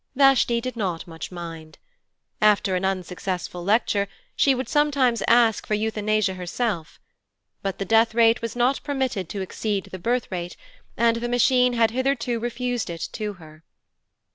Vashti did not much mind. After an unsuccessful lecture, she would sometimes ask for Euthanasia herself. But the death rate was not permitted to exceed the birth rate, and the Machine had hitherto refused it to her.